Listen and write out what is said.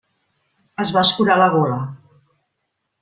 Es va escurar la gola.